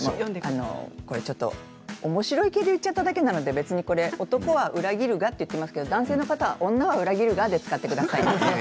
これちょっとおもしろい系で言っちゃっただけなので男は裏切るがとありますが男性の方は女は裏切るがで使ってください。